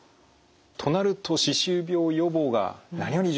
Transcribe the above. となると歯周病予防が何より重要になってきそうですね。